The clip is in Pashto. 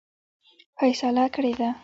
فیصله کړې ده.